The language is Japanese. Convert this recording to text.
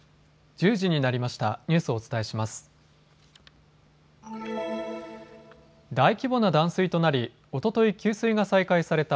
１０時になりました。